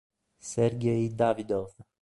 Sergej Davydov